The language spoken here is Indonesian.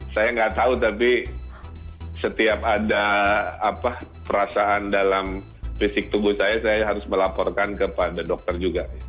saya nggak tahu tapi setiap ada perasaan dalam fisik tubuh saya saya harus melaporkan kepada dokter juga